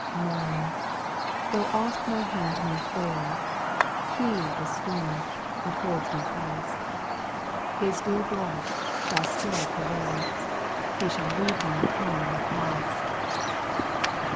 9. Mine I tho' oft my hand may fail, lie is strong, and holds me fast ; His dear blood shall still prevail, He shall lead me home at last.